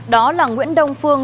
đó là nguyễn đông phương